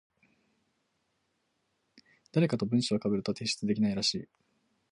誰かと文章被ると提出できないらしい。